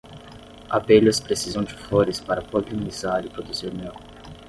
Abelhas precisam de flores para polinizar e produzir mel